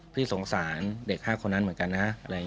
พี่สงสารเด็ก๕คนนั้นเหมือนกันนะ